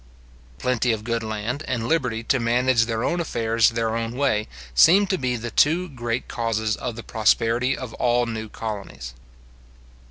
Plenty of good land, and liberty to manage their own affairs their own way, seem to be the two great causes of the prosperity of all new colonies.